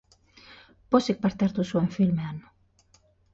Pozik parte hartu zuen filmean.